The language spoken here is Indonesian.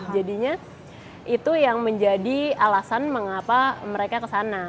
jadinya itu yang menjadi alasan mengapa mereka ke sana